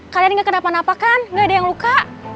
kalian gak kena panah apa kan gak ada yang luka